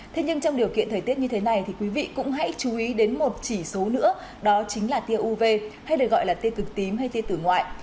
thế nhưng trong điều kiện thời tiết như thế này thì quý vị cũng hãy chú ý đến một chỉ số nữa đó chính là tiêu uv hay được gọi là tiêu cực tím hay tia tử ngoại